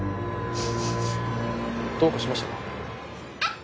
どうかしましたか？